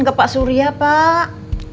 ke pak surya pak